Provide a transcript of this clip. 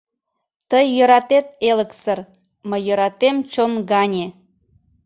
Тый йӧратет элыксыр, мый йӧратем чон гане.